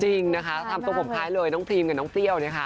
จริงนะคะทำตรงผมคล้ายเลยน้องพรีมกับน้องเตี้ยว